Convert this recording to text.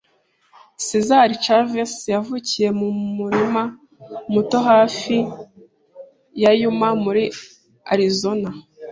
Cesar Chavez yavukiye mu murima muto hafi ya Yuma, muri Arizona .